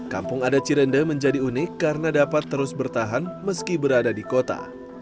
kampung adat cirende menjadi unik karena dapat terus bertahan meski berada di kota